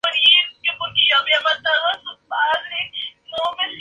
En esas elecciones, encabezó la lista de candidatos a diputados de Unidad Ciudadana.